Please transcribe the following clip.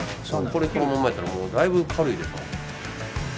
これこのままやったらもうだいぶ軽いで。